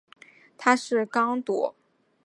他是刚铎。